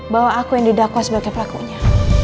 bahwa aku yang didakwa sebagai pelakunya